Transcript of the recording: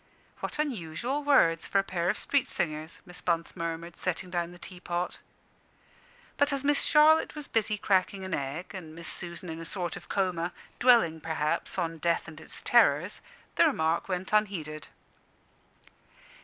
"What unusual words for a pair of street singers!" Miss Bunce murmured, setting down the tea pot. But as Miss Charlotte was busy cracking an egg, and Miss Susan in a sort of coma, dwelling perhaps on death and its terrors, the remark went unheeded.